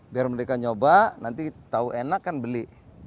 biar mereka nyoba nanti tahu enak kan beli